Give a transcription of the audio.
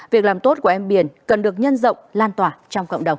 việc làm tốt của em biển cần được nhân rộng lan tỏa trong cộng đồng